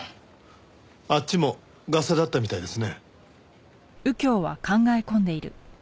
あっちもガセだったみたいですね。